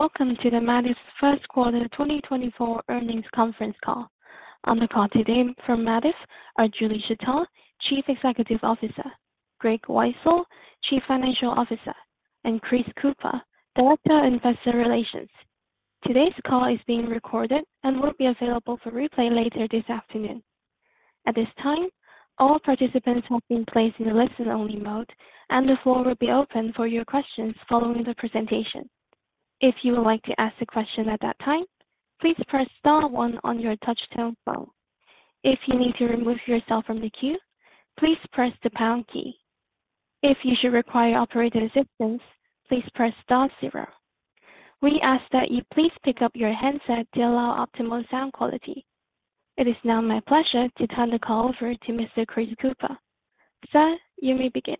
Welcome to Mativ's First Quarter 2024 Earnings Conference Call. On the call today from Mativ are Julie Schertell, Chief Executive Officer; Greg Weitzel, Chief Financial Officer; and Chris Kuepper, Director of Investor Relations. Today's call is being recorded and will be available for replay later this afternoon. At this time, all participants have been placed in listen-only mode, and the floor will be open for your questions following the presentation. If you would like to ask a question at that time, please press star one on your touch-tone phone. If you need to remove yourself from the queue, please press the pound key. If you should require operator assistance, please press star zero. We ask that you please pick up your headset to allow optimal sound quality. It is now my pleasure to turn the call over to Mr. Chris Kuepper. Sir, you may begin.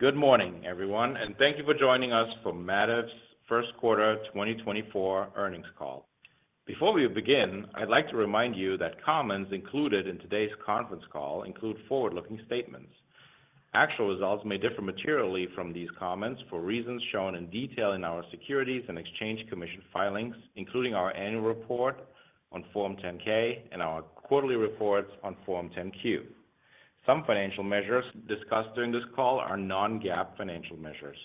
Good morning, everyone, and thank you for joining us for Mativ's First Quarter 2024 Earnings Call. Before we begin, I'd like to remind you that comments included in today's conference call include forward-looking statements. Actual results may differ materially from these comments for reasons shown in detail in our Securities and Exchange Commission filings, including our annual report on Form 10-K and our quarterly reports on Form 10-Q. Some financial measures discussed during this call are non-GAAP financial measures.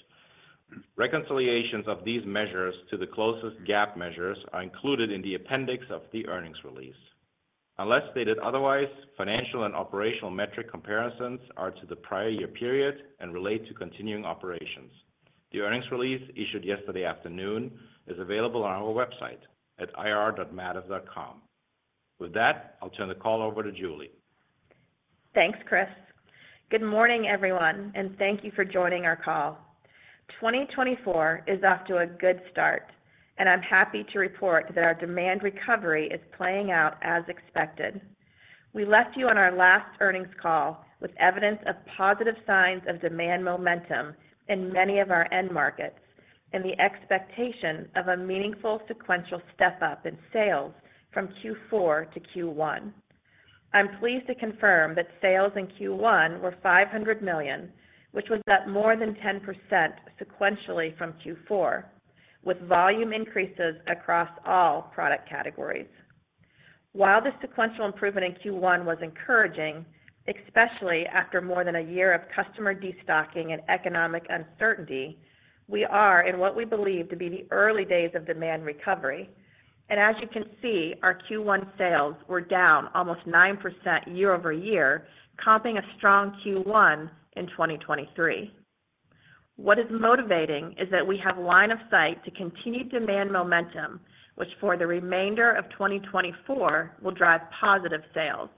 Reconciliations of these measures to the closest GAAP measures are included in the appendix of the earnings release. Unless stated otherwise, financial and operational metric comparisons are to the prior year period and relate to continuing operations. The earnings release issued yesterday afternoon is available on our website at ir.mativ.com. With that, I'll turn the call over to Julie. Thanks, Chris. Good morning, everyone, and thank you for joining our call. 2024 is off to a good start, and I'm happy to report that our demand recovery is playing out as expected. We left you on our last earnings call with evidence of positive signs of demand momentum in many of our end markets and the expectation of a meaningful sequential step-up in sales from Q4 to Q1. I'm pleased to confirm that sales in Q1 were $500 million, which was up more than 10% sequentially from Q4, with volume increases across all product categories. While the sequential improvement in Q1 was encouraging, especially after more than a year of customer destocking and economic uncertainty, we are in what we believe to be the early days of demand recovery. As you can see, our Q1 sales were down almost 9% year-over-year, comping a strong Q1 in 2023. What is motivating is that we have line of sight to continued demand momentum, which for the remainder of 2024 will drive positive sales.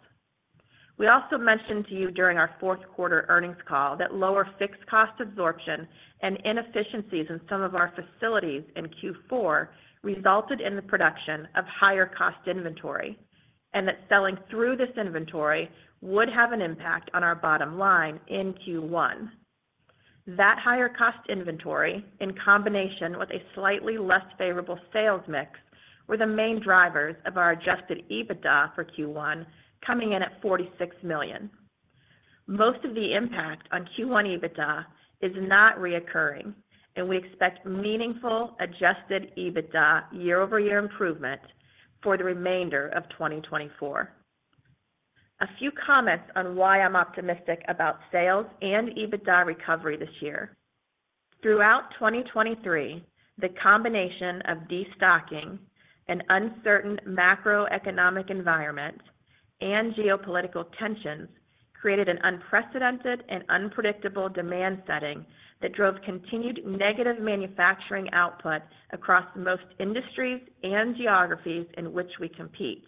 We also mentioned to you during our fourth quarter earnings call that lower fixed cost absorption and inefficiencies in some of our facilities in Q4 resulted in the production of higher cost inventory, and that selling through this inventory would have an impact on our bottom line in Q1. That higher cost inventory, in combination with a slightly less favorable sales mix, were the main drivers of our Adjusted EBITDA for Q1, coming in at $46 million. Most of the impact on Q1 EBITDA is not recurring, and we expect meaningful Adjusted EBITDA year-over-year improvement for the remainder of 2024. A few comments on why I'm optimistic about sales and EBITDA recovery this year. Throughout 2023, the combination of destocking, an uncertain macroeconomic environment, and geopolitical tensions created an unprecedented and unpredictable demand setting that drove continued negative manufacturing output across the most industries and geographies in which we compete.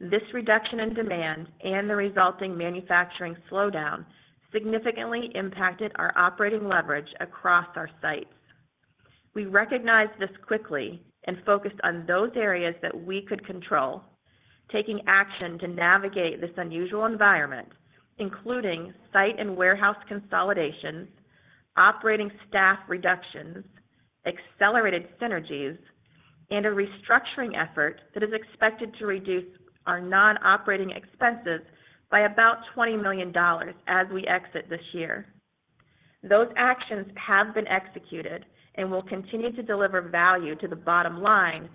This reduction in demand and the resulting manufacturing slowdown significantly impacted our operating leverage across our sites. We recognized this quickly and focused on those areas that we could control, taking action to navigate this unusual environment, including site and warehouse consolidations, operating staff reductions, accelerated synergies, and a restructuring effort that is expected to reduce our non-operating expenses by about $20 million as we exit this year. Those actions have been executed and will continue to deliver value to the bottom line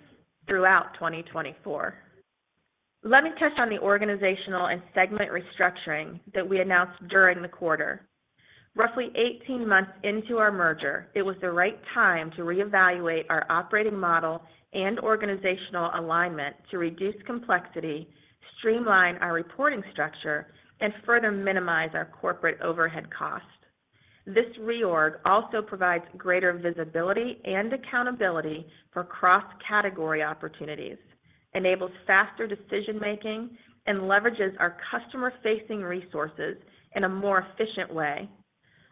throughout 2024. Let me touch on the organizational and segment restructuring that we announced during the quarter. Roughly 18 months into our merger, it was the right time to reevaluate our operating model and organizational alignment to reduce complexity, streamline our reporting structure, and further minimize our corporate overhead costs. This reorg also provides greater visibility and accountability for cross-category opportunities, enables faster decision-making, and leverages our customer-facing resources in a more efficient way.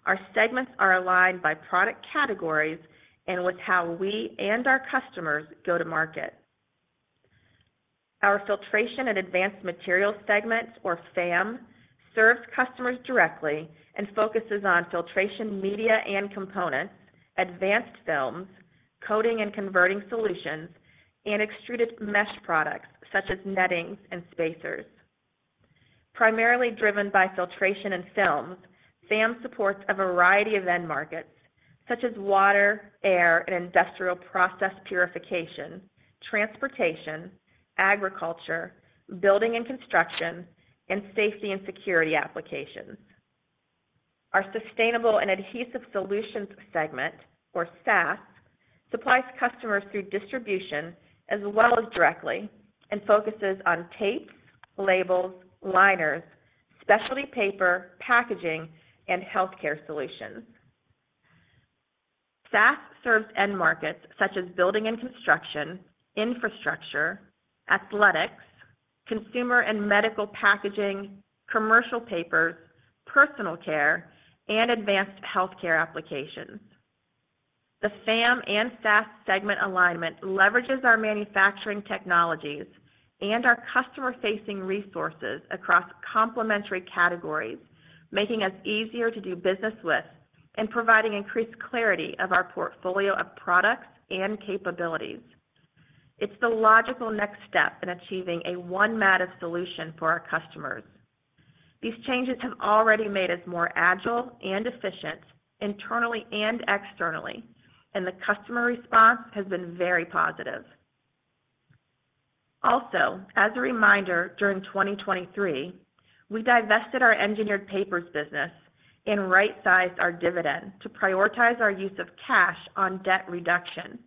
Our segments are aligned by product categories and with how we and our customers go to market. Our Filtration and Advanced Materials segments, or FAM, serves customers directly and focuses on filtration media and components, advanced films, coating and converting solutions, and extruded mesh products such as nettings and spacers. Primarily driven by filtration and films, FAM supports a variety of end markets such as water, air, and industrial process purification, transportation, agriculture, building and construction, and safety and security applications. Our Sustainable and Adhesive Solutions segment, or SAS, supplies customers through distribution as well as directly and focuses on tapes, labels, liners, specialty paper, packaging, and healthcare solutions. SAS serves end markets such as building and construction, infrastructure, athletics, consumer and medical packaging, commercial papers, personal care, and advanced healthcare applications. The FAM and SAS segment alignment leverages our manufacturing technologies and our customer-facing resources across complementary categories, making us easier to do business with and providing increased clarity of our portfolio of products and capabilities. It's the logical next step in achieving a one-Mativ solution for our customers. These changes have already made us more agile and efficient internally and externally, and the customer response has been very positive. Also, as a reminder, during 2023, we divested our engineered papers business and right-sized our dividend to prioritize our use of cash on debt reduction.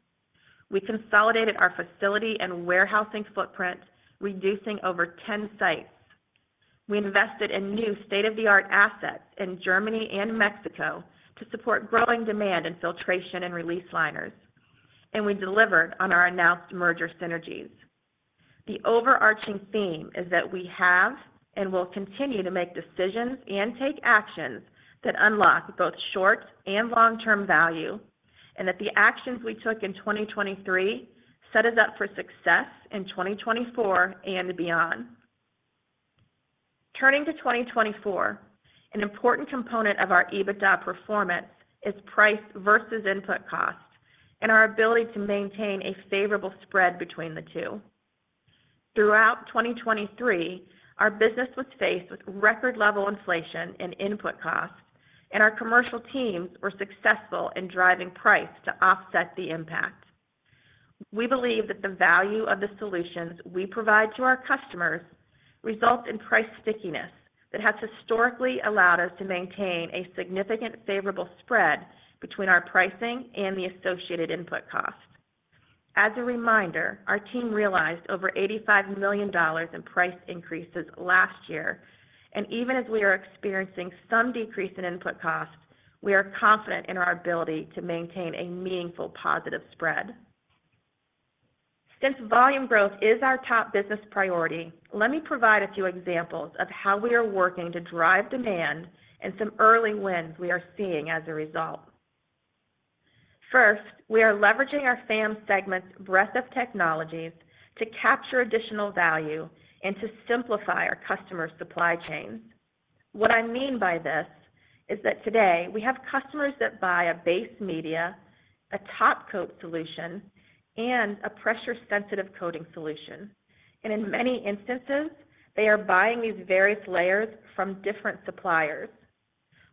We consolidated our facility and warehousing footprint, reducing over 10 sites. We invested in new state-of-the-art assets in Germany and Mexico to support growing demand in filtration and release liners, and we delivered on our announced merger synergies. The overarching theme is that we have and will continue to make decisions and take actions that unlock both short and long-term value, and that the actions we took in 2023 set us up for success in 2024 and beyond. Turning to 2024, an important component of our EBITDA performance is price versus input cost and our ability to maintain a favorable spread between the two. Throughout 2023, our business was faced with record-level inflation in input costs, and our commercial teams were successful in driving price to offset the impact. We believe that the value of the solutions we provide to our customers results in price stickiness that has historically allowed us to maintain a significant favorable spread between our pricing and the associated input costs. As a reminder, our team realized over $85 million in price increases last year, and even as we are experiencing some decrease in input costs, we are confident in our ability to maintain a meaningful positive spread. Since volume growth is our top business priority, let me provide a few examples of how we are working to drive demand and some early wins we are seeing as a result. First, we are leveraging our FAM segment's breadth of technologies to capture additional value and to simplify our customer supply chains. What I mean by this is that today we have customers that buy a base media, a top-coat solution, and a pressure-sensitive coating solution. And in many instances, they are buying these various layers from different suppliers.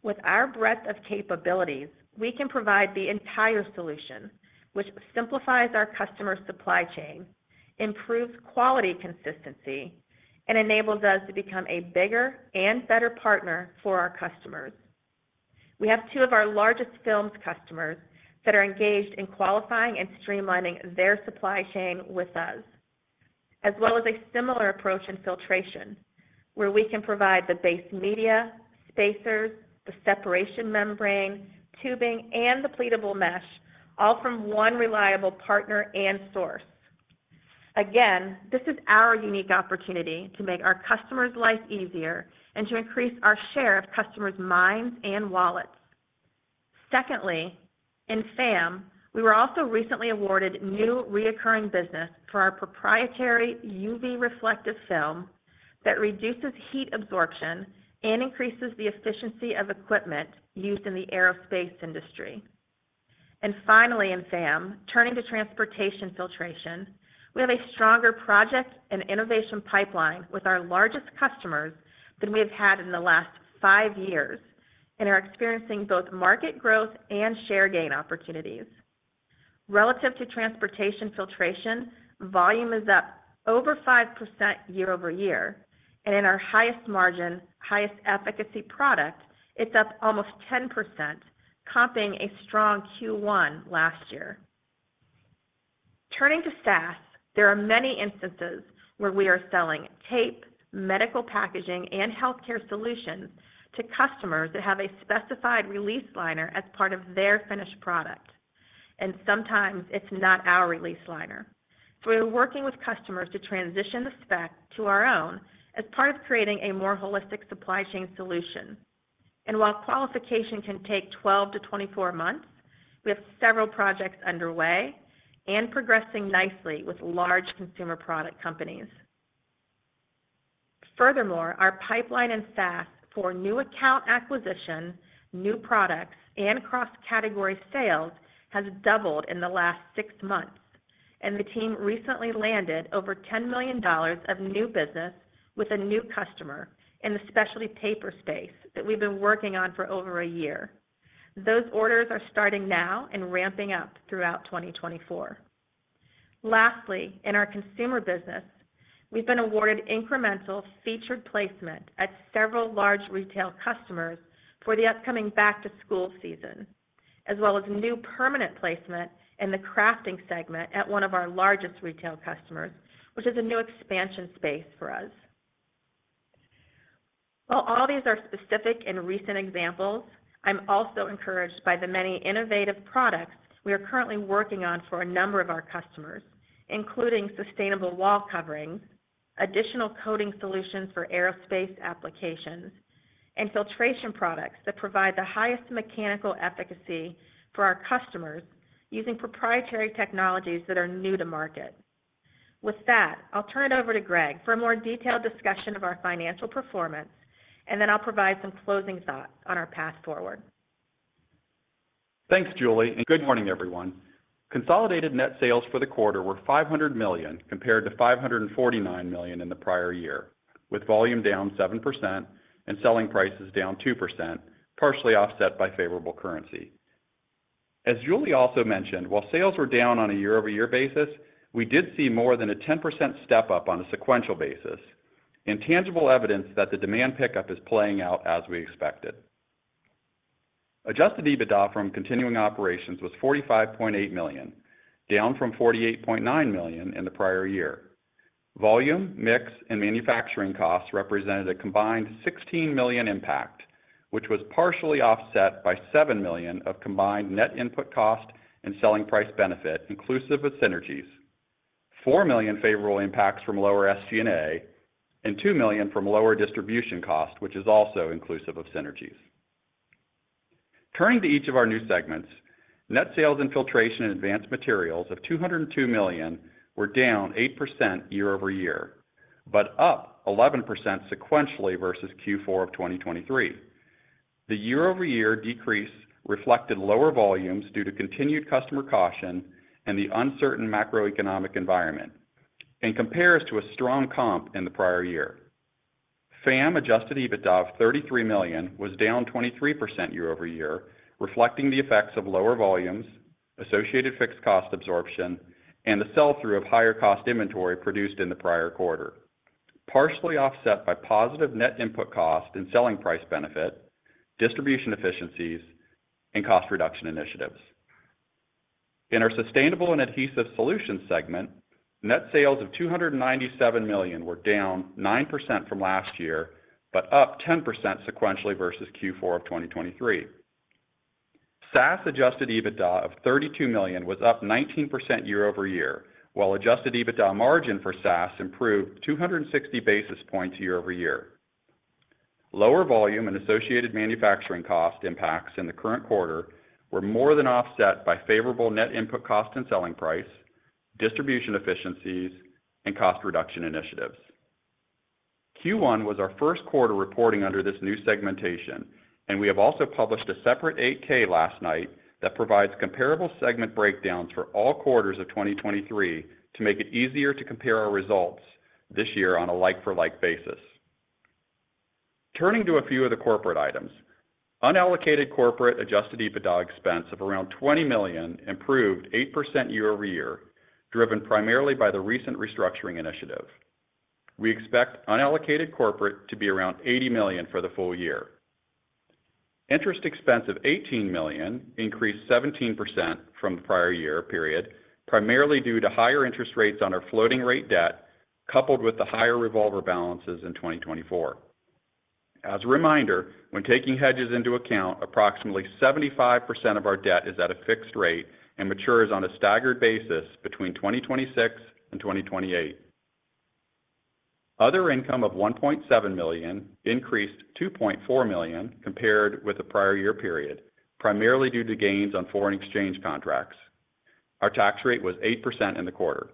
With our breadth of capabilities, we can provide the entire solution, which simplifies our customer supply chain, improves quality consistency, and enables us to become a bigger and better partner for our customers. We have two of our largest films customers that are engaged in qualifying and streamlining their supply chain with us, as well as a similar approach in filtration, where we can provide the base media, spacers, the separation membrane, tubing, and the pleatable mesh, all from one reliable partner and source. Again, this is our unique opportunity to make our customers' life easier and to increase our share of customers' minds and wallets. Secondly, in FAM, we were also recently awarded new recurring business for our proprietary UV reflective film that reduces heat absorption and increases the efficiency of equipment used in the aerospace industry. And finally, in FAM, turning to transportation filtration, we have a stronger project and innovation pipeline with our largest customers than we have had in the last five years, and are experiencing both market growth and share gain opportunities. Relative to transportation filtration, volume is up over 5% year-over-year, and in our highest margin, highest efficacy product, it's up almost 10%, comping a strong Q1 last year. Turning to SAS, there are many instances where we are selling tape, medical packaging, and healthcare solutions to customers that have a specified release liner as part of their finished product, and sometimes it's not our release liner. We are working with customers to transition the spec to our own as part of creating a more holistic supply chain solution. While qualification can take 12-24 months, we have several projects underway and progressing nicely with large consumer product companies. Furthermore, our pipeline in SAS for new account acquisition, new products, and cross-category sales has doubled in the last 6 months, and the team recently landed over $10 million of new business with a new customer in the specialty paper space that we've been working on for over one year. Those orders are starting now and ramping up throughout 2024. Lastly, in our consumer business, we've been awarded incremental featured placement at several large retail customers for the upcoming back-to-school season, as well as new permanent placement in the crafting segment at one of our largest retail customers, which is a new expansion space for us. While all these are specific and recent examples, I'm also encouraged by the many innovative products we are currently working on for a number of our customers, including sustainable wall coverings, additional coating solutions for aerospace applications, and filtration products that provide the highest mechanical efficacy for our customers using proprietary technologies that are new to market. With that, I'll turn it over to Greg for a more detailed discussion of our financial performance, and then I'll provide some closing thoughts on our path forward. Thanks, Julie, and good morning, everyone. Consolidated net sales for the quarter were $500 million compared to $549 million in the prior year, with volume down 7% and selling prices down 2%, partially offset by favorable currency. As Julie also mentioned, while sales were down on a year-over-year basis, we did see more than a 10% step-up on a sequential basis, tangible evidence that the demand pickup is playing out as we expected. Adjusted EBITDA from continuing operations was $45.8 million, down from $48.9 million in the prior year. Volume, mix, and manufacturing costs represented a combined $16 million impact, which was partially offset by $7 million of combined net input cost and selling price benefit, inclusive of synergies, $4 million favorable impacts from lower SG&A, and $2 million from lower distribution cost, which is also inclusive of synergies. Turning to each of our new segments, net sales in Filtration and Advanced Materials of $202 million were down 8% year over year, but up 11% sequentially versus Q4 of 2023. The year-over-year decrease reflected lower volumes due to continued customer caution and the uncertain macroeconomic environment and compares to a strong comp in the prior year. FAM adjusted EBITDA of $33 million was down 23% year over year, reflecting the effects of lower volumes, associated fixed cost absorption, and the sell-through of higher-cost inventory produced in the prior quarter, partially offset by positive net input cost and selling price benefit, distribution efficiencies, and cost reduction initiatives. In our Sustainable and Adhesive Solutions segment, net sales of $297 million were down 9% from last year, but up 10% sequentially versus Q4 of 2023. SAS adjusted EBITDA of $32 million was up 19% year-over-year, while adjusted EBITDA margin for SAS improved 260 basis points year-over-year. Lower volume and associated manufacturing cost impacts in the current quarter were more than offset by favorable net input cost and selling price, distribution efficiencies, and cost reduction initiatives. Q1 was our first quarter reporting under this new segmentation, and we have also published a separate 8K last night that provides comparable segment breakdowns for all quarters of 2023 to make it easier to compare our results this year on a like-for-like basis. Turning to a few of the corporate items, unallocated corporate adjusted EBITDA expense of around $20 million improved 8% year-over-year, driven primarily by the recent restructuring initiative. We expect unallocated corporate to be around $80 million for the full year. Interest expense of $18 million increased 17% from the prior year, primarily due to higher interest rates on our floating-rate debt coupled with the higher revolver balances in 2024. As a reminder, when taking hedges into account, approximately 75% of our debt is at a fixed rate and matures on a staggered basis between 2026 and 2028. Other income of $1.7 million increased $2.4 million compared with the prior year period, primarily due to gains on foreign exchange contracts. Our tax rate was 8% in the quarter.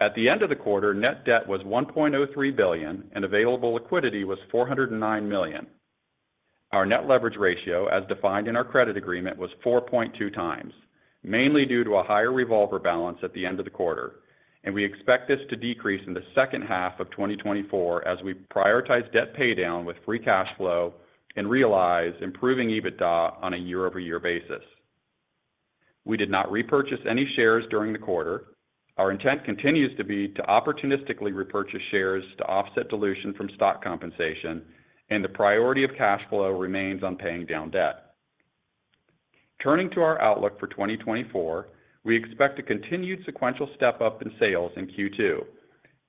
At the end of the quarter, net debt was $1.03 billion, and available liquidity was $409 million. Our net leverage ratio, as defined in our credit agreement, was 4.2x, mainly due to a higher revolver balance at the end of the quarter, and we expect this to decrease in the second half of 2024 as we prioritize debt paydown with free cash flow and realize improving EBITDA on a year-over-year basis. We did not repurchase any shares during the quarter. Our intent continues to be to opportunistically repurchase shares to offset dilution from stock compensation, and the priority of cash flow remains on paying down debt. Turning to our outlook for 2024, we expect a continued sequential step-up in sales in Q2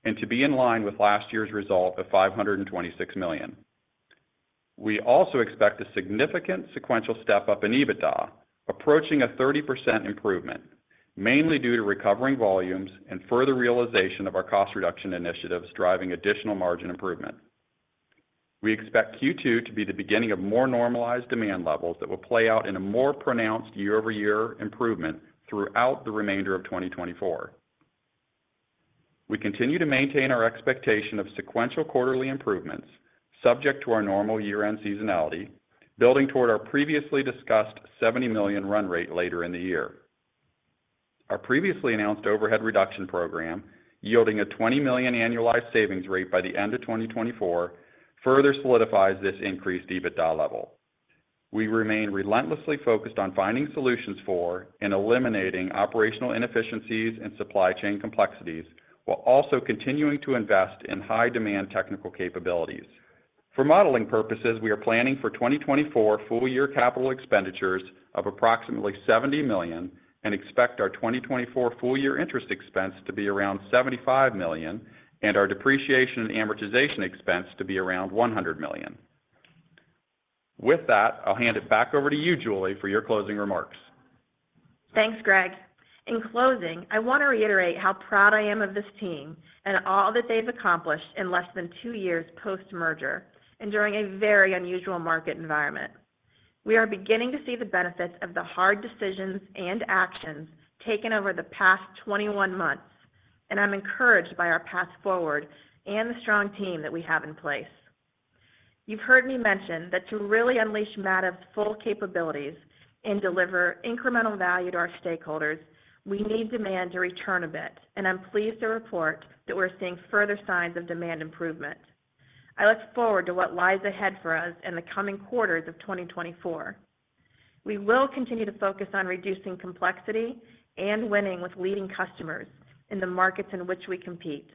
and to be in line with last year's result of $526 million. We also expect a significant sequential step-up in EBITDA, approaching a 30% improvement, mainly due to recovering volumes and further realization of our cost reduction initiatives driving additional margin improvement. We expect Q2 to be the beginning of more normalized demand levels that will play out in a more pronounced year-over-year improvement throughout the remainder of 2024. We continue to maintain our expectation of sequential quarterly improvements subject to our normal year-end seasonality, building toward our previously discussed $70 million run rate later in the year. Our previously announced overhead reduction program, yielding a $20 million annualized savings rate by the end of 2024, further solidifies this increased EBITDA level. We remain relentlessly focused on finding solutions for and eliminating operational inefficiencies and supply chain complexities while also continuing to invest in high-demand technical capabilities. For modeling purposes, we are planning for 2024 full-year capital expenditures of approximately $70 million and expect our 2024 full-year interest expense to be around $75 million and our depreciation and amortization expense to be around $100 million. With that, I'll hand it back over to you, Julie, for your closing remarks. Thanks, Greg. In closing, I want to reiterate how proud I am of this team and all that they've accomplished in less than two years post-merger and during a very unusual market environment. We are beginning to see the benefits of the hard decisions and actions taken over the past 21 months, and I'm encouraged by our path forward and the strong team that we have in place. You've heard me mention that to really unleash Mativ's full capabilities and deliver incremental value to our stakeholders, we need demand to return a bit, and I'm pleased to report that we're seeing further signs of demand improvement. I look forward to what lies ahead for us in the coming quarters of 2024. We will continue to focus on reducing complexity and winning with leading customers in the markets in which we compete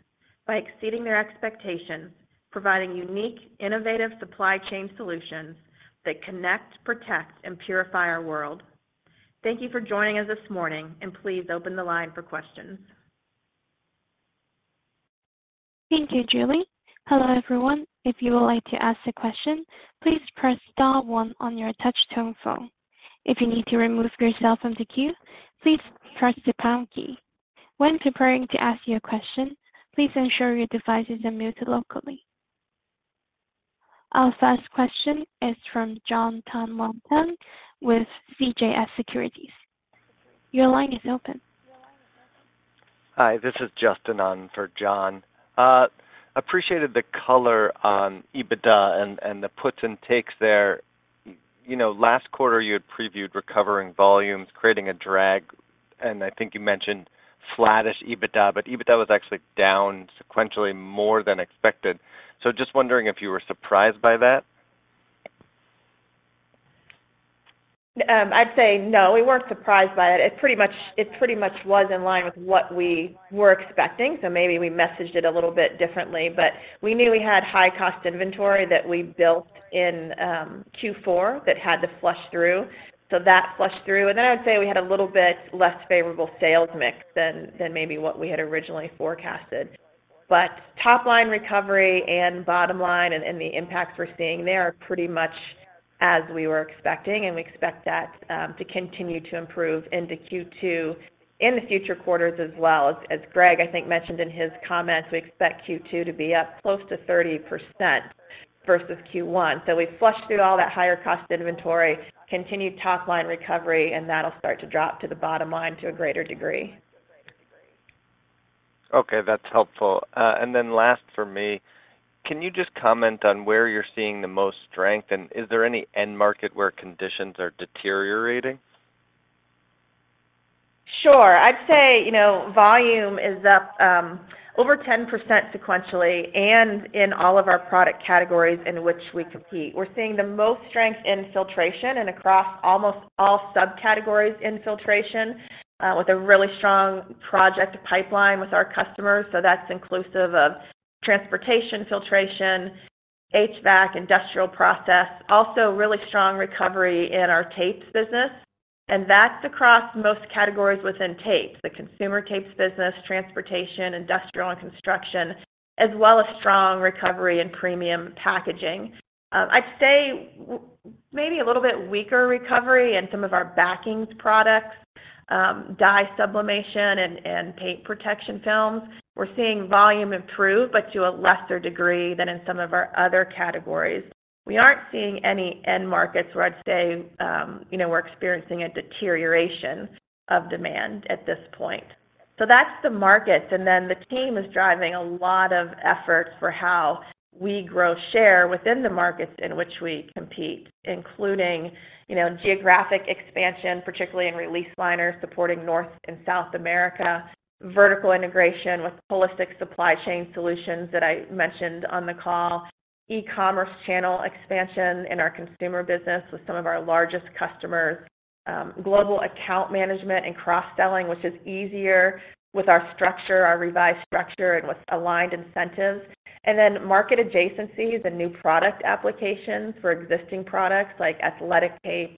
by exceeding their expectations, providing unique, innovative supply chain solutions that connect, protect, and purify our world. Thank you for joining us this morning, and please open the line for questions. Thank you, Julie. Hello, everyone. If you would like to ask a question, please press star one on your touch-tone phone. If you need to remove yourself from the queue, please press the pound key. When preparing to ask your question, please ensure your device is unmuted locally. Our first question is from Jon Tanwanteng with CJS Securities. Your line is open. Hi, this is Justin on for Jon. Appreciated the color on EBITDA and the puts and takes there. Last quarter, you had previewed recovering volumes, creating a drag, and I think you mentioned flattish EBITDA, but EBITDA was actually down sequentially more than expected. So just wondering if you were surprised by that. I'd say no, we weren't surprised by it. It pretty much was in line with what we were expecting, so maybe we messaged it a little bit differently. But we knew we had high-cost inventory that we built in Q4 that had to flush through, so that flushed through. And then I would say we had a little bit less favorable sales mix than maybe what we had originally forecasted. But top-line recovery and bottom line and the impacts we're seeing there are pretty much as we were expecting, and we expect that to continue to improve into Q2 in the future quarters as well. As Greg, I think, mentioned in his comments, we expect Q2 to be up close to 30% versus Q1. So we've flushed through all that higher-cost inventory, continued top-line recovery, and that'll start to drop to the bottom line to a greater degree. Okay, that's helpful. And then last for me, can you just comment on where you're seeing the most strength, and is there any end market where conditions are deteriorating? Sure. I'd say volume is up over 10% sequentially and in all of our product categories in which we compete. We're seeing the most strength in filtration and across almost all subcategories in filtration with a really strong project pipeline with our customers, so that's inclusive of transportation, filtration, HVAC, industrial process, also really strong recovery in our tapes business. And that's across most categories within tapes: the consumer tapes business, transportation, industrial, and construction, as well as strong recovery in premium packaging. I'd say maybe a little bit weaker recovery in some of our backings products, dye sublimation, and paint protection films. We're seeing volume improve, but to a lesser degree than in some of our other categories. We aren't seeing any end markets where I'd say we're experiencing a deterioration of demand at this point. That's the markets, and then the team is driving a lot of efforts for how we grow share within the markets in which we compete, including geographic expansion, particularly in release liners supporting North and South America, vertical integration with holistic supply chain solutions that I mentioned on the call, e-commerce channel expansion in our consumer business with some of our largest customers, global account management and cross-selling, which is easier with our structure, our revised structure, and with aligned incentives, and then market adjacencies and new product applications for existing products like athletic tape,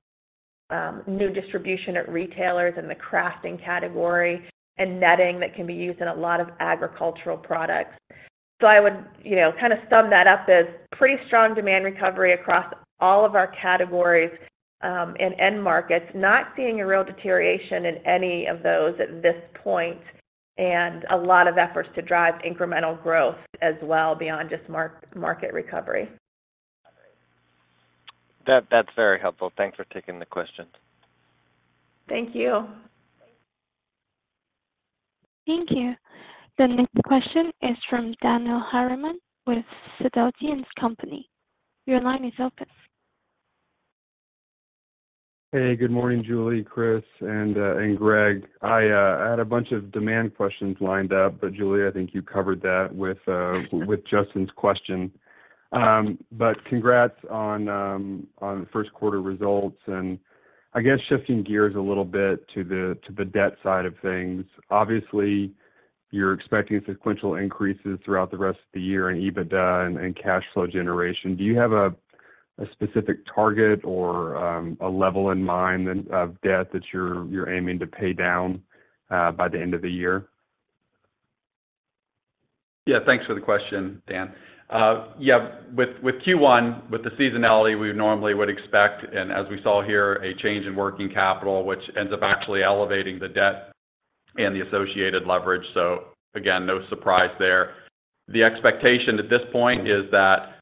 new distribution at retailers in the crafting category, and netting that can be used in a lot of agricultural products. I would kind of sum that up as pretty strong demand recovery across all of our categories and end markets, not seeing a real deterioration in any of those at this point, and a lot of efforts to drive incremental growth as well beyond just market recovery. That's very helpful. Thanks for taking the questions. Thank you. Thank you. The next question is from Daniel Harriman with Sidoti & Company. Your line is open. Hey, good morning, Julie, Chris, and Greg. I had a bunch of demand questions lined up, but Julie, I think you covered that with Justin's question. But congrats on the first quarter results. And I guess shifting gears a little bit to the debt side of things, obviously, you're expecting sequential increases throughout the rest of the year in EBITDA and cash flow generation. Do you have a specific target or a level in mind of debt that you're aiming to pay down by the end of the year? Yeah, thanks for the question, Dan. Yeah, with Q1, with the seasonality, we normally would expect, and as we saw here, a change in working capital, which ends up actually elevating the debt and the associated leverage. So again, no surprise there. The expectation at this point is that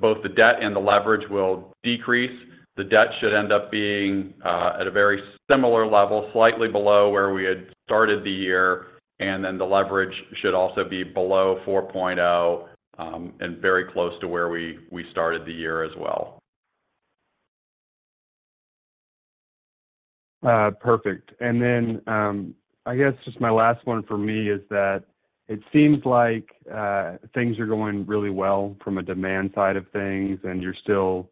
both the debt and the leverage will decrease. The debt should end up being at a very similar level, slightly below where we had started the year, and then the leverage should also be below 4.0 and very close to where we started the year as well. Perfect. And then I guess just my last one for me is that it seems like things are going really well from a demand side of things, and you're still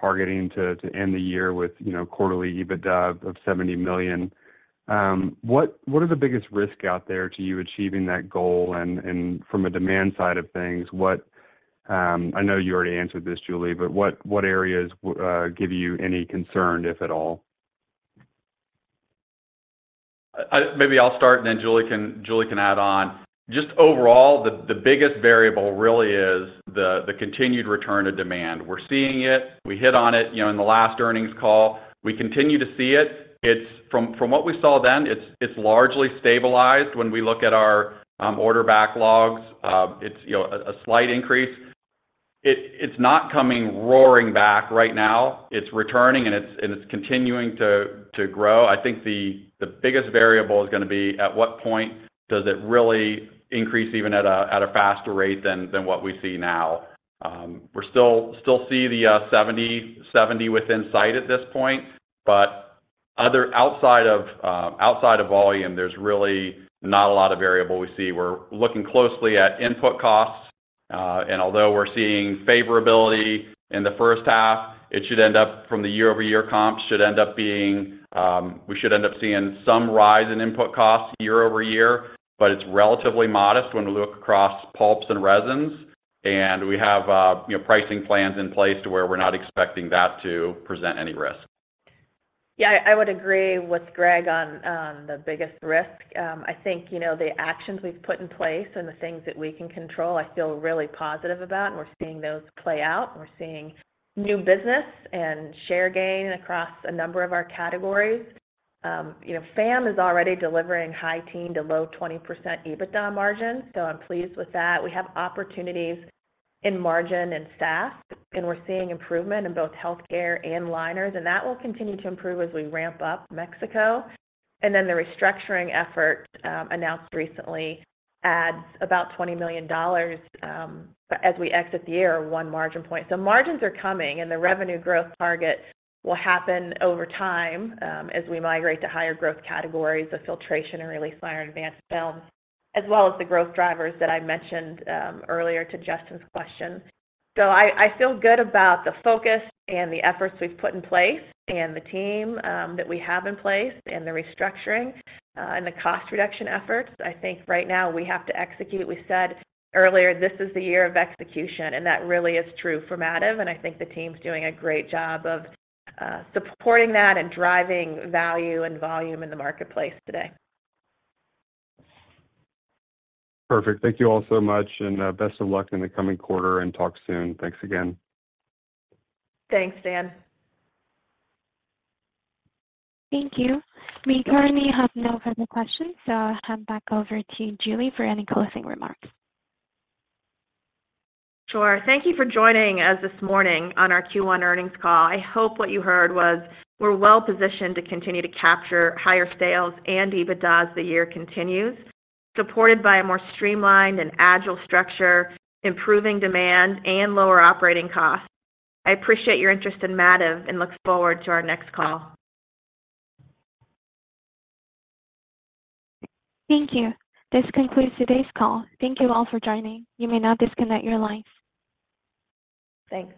targeting to end the year with quarterly EBITDA of $70 million. What are the biggest risks out there to you achieving that goal? And from a demand side of things, I know you already answered this, Julie, but what areas give you any concern, if at all? Maybe I'll start, and then Julie can add on. Just overall, the biggest variable really is the continued return to demand. We're seeing it. We hit on it in the last earnings call. We continue to see it. From what we saw then, it's largely stabilized when we look at our order backlogs. It's a slight increase. It's not coming roaring back right now. It's returning, and it's continuing to grow. I think the biggest variable is going to be at what point does it really increase even at a faster rate than what we see now. We still see the 70 within sight at this point, but outside of volume, there's really not a lot of variable we see. We're looking closely at input costs, and although we're seeing favorability in the first half, it should end up from the year-over-year comps, should end up being we should end up seeing some rise in input costs year over year, but it's relatively modest when we look across pulps and resins, and we have pricing plans in place to where we're not expecting that to present any risk. Yeah, I would agree with Greg on the biggest risk. I think the actions we've put in place and the things that we can control, I feel really positive about, and we're seeing those play out. We're seeing new business and share gain across a number of our categories. FAM is already delivering high-teens to low-20% EBITDA margins, so I'm pleased with that. We have opportunities in margin and staff, and we're seeing improvement in both healthcare and liners, and that will continue to improve as we ramp up Mexico. Then the restructuring effort announced recently adds about $20 million as we exit the year, one margin point. So margins are coming, and the revenue growth target will happen over time as we migrate to higher growth categories of filtration and release liner and advanced films, as well as the growth drivers that I mentioned earlier to Justin's question. So I feel good about the focus and the efforts we've put in place and the team that we have in place and the restructuring and the cost reduction efforts. I think right now we have to execute. We said earlier, "This is the year of execution," and that really is true for MATV, and I think the team's doing a great job of supporting that and driving value and volume in the marketplace today. Perfect. Thank you all so much, and best of luck in the coming quarter, and talk soon. Thanks again. Thanks, Dan. Thank you. We currently have no further questions, so I'll hand back over to Julie for any closing remarks. Sure. Thank you for joining us this morning on our Q1 earnings call. I hope what you heard was we're well-positioned to continue to capture higher sales and EBITDA as the year continues, supported by a more streamlined and agile structure, improving demand, and lower operating costs. I appreciate your interest in MATV and look forward to our next call. Thank you. This concludes today's call. Thank you all for joining. You may now disconnect your lines. Thanks.